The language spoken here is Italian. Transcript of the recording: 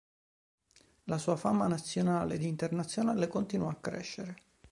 La sua fama nazionale ed internazionale continuò a crescere.